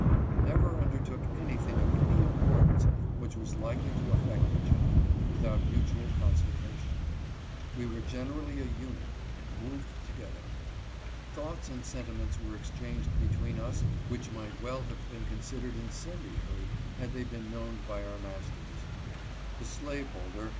We never undertook anything of any importance which was likely to affect each other, without mutual con sultation. We were generally a unit, and moved together. Thoughts and sentiments were exchanged between us which might well have been considered incendiary had they been known by our masters. The slaveholder, were 1.